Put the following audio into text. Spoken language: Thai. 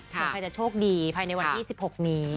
ใครจะโชคดีภายในวันที่๑๖นี้